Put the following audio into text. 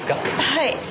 はい。